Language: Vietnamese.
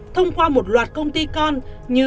thông qua một loạt công ty con như